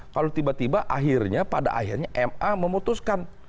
kalau tiba tiba akhirnya pada akhirnya ma memutuskan